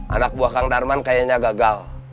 anak buah kang darman kayaknya gagal